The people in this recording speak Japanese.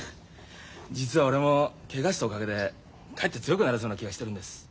実は俺もケガしたおかげでかえって強くなれそうな気がしてるんです。